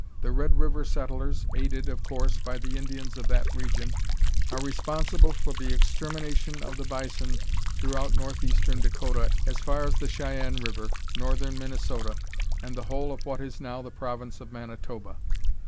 The Red River settlers, aided, of course, by the Indians of that region, are responsible for the extermination of the bison throughout northeastern Dakota as far as the Cheyenne River, northern Minnesota, and the whole of what is now the province of Manitoba.